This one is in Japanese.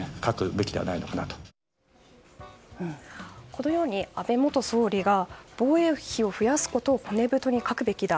このように安倍元総理が防衛費を増やすことを骨太に書くべきだ。